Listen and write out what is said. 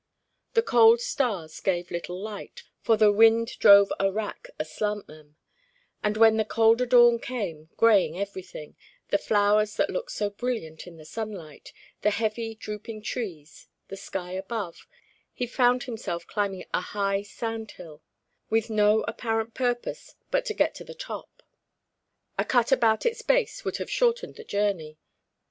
The cold stars gave little light, for the wind drove a wrack aslant them; and when the colder dawn came, greying everything, the flowers that looked so brilliant in the sunlight, the heavy drooping trees, the sky above, he found himself climbing a high sand hill, with no apparent purpose but to get to the top; a cut about its base would have shortened the journey.